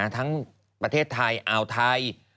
ทั้งประเทศไทยอ่าวไทย